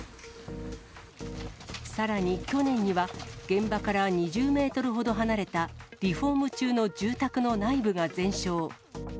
さらに去年には、現場から２０メートルほど離れたリフォーム中の住宅の内部が全焼。